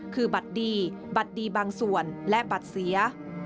คือบัตรดีบัตรดีบางส่วนและบัตรเสีย